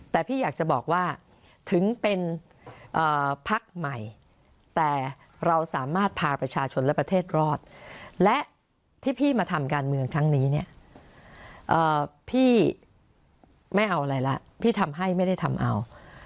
แต่พี่อยากจะบอกว่าถึงเป็นพักใหม่แต่เราสามารถพาประชาชนและประเทศรอดและที่พี่มาทำการเมืองครั้งนี้เนี่ยพี่ไม่เอาอะไรแล้วพี่ทำให้ไม่ได้ทำเอา